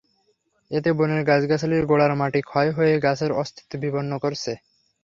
এতে বনের গাছগাছালির গোড়ার মাটি ক্ষয় হয়ে গাছের অস্তিত্ব বিপন্ন করছে।